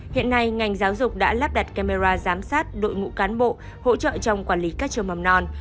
hiện nay ngành giáo dục đã lắp đặt camera giám sát đội ngũ cán bộ hỗ trợ trong quản lý các trường mầm non